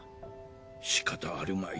しかたあるまい。